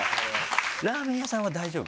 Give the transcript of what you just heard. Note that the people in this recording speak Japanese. ラーメン屋さんは大丈夫？